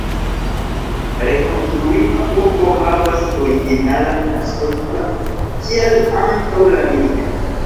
La rekonstruita urbo havas originalan aspekton kiel antaŭ la milito.